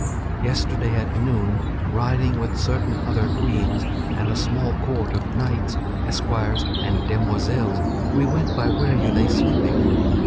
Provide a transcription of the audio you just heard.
Yesterday, at noon, riding with certain other queens and a small court of knights, esquires, and demoiselles, we went by where you lay sleeping.